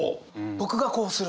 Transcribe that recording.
僕がこうする！